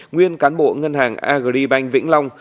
nguyên cán bộ ngân hàng agribank vĩnh long